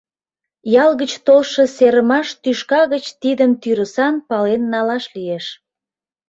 Ял гыч толшо серымаш тӱшка гыч тидым тӱрысан пален налаш лиеш.